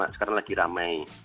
sekarang lagi ramai